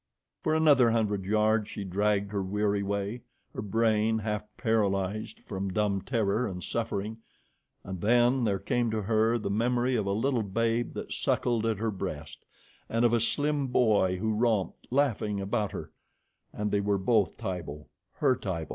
For another hundred yards she dragged her weary way, her brain half paralyzed from dumb terror and suffering, and then there came to her the memory of a little babe that suckled at her breast, and of a slim boy who romped, laughing, about her, and they were both Tibo her Tibo!